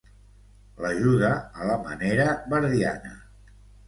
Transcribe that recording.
L'ajuda a la manera verdiana.